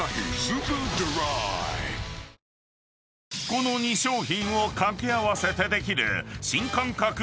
［この２商品を掛け合わせてできる］